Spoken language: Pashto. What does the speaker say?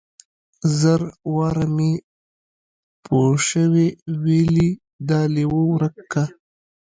زر واره مې پوشوې ويلي دا ليوه ورک که.